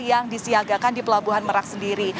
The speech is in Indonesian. yang disiagakan di pelabuhan merak sendiri